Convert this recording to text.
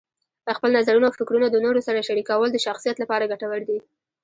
خپل نظرونه او فکرونه د نورو سره شریکول د شخصیت لپاره ګټور دي.